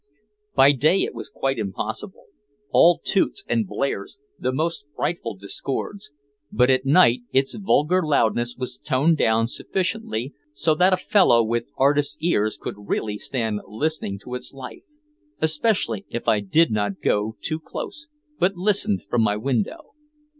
By day it was quite impossible, all toots and blares, the most frightful discords but at night its vulgar loudness was toned down sufficiently so that a fellow with artist's ears could really stand listening to its life, especially if I did not go too close but listened from my window.